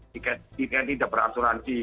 tiket tidak berasuransi